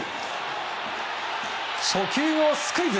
初球をスクイズ。